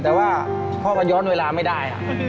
แต่ว่าพ่อก็ย้อนเวลาไม่ได้